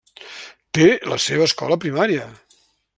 Té la seva escola primària.